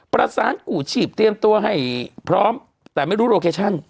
กู้ชีพเตรียมตัวให้พร้อมแต่ไม่รู้โลเคชั่น